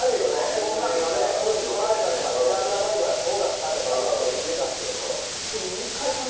こんなふうに撮られたとかベランダバイバイはこうだったとかって言えたんですけど。